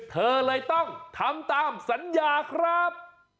เธอเลยต้องทำตามสัญญาครับ